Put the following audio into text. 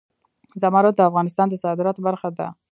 زمرد د افغانستان د صادراتو برخه ده.